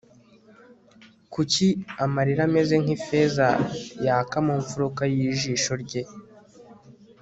Kandi amarira ameze nkifeza yaka mu mfuruka yijisho rye